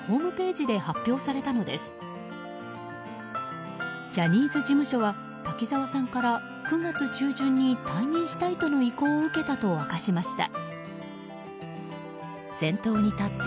ジャニーズ事務所は滝沢さんから９月中旬に退任したいとの意向を受けたと明かしました。